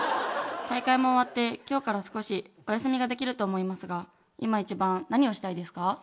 大会も終わって今日から少しお休みができると思いますが今一番何をしたいですか？